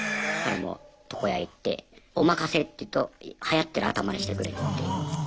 床屋行っておまかせって言うとはやってる頭にしてくれるんで。